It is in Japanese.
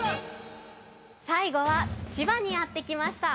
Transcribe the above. ◆最後は、千葉にやってきました。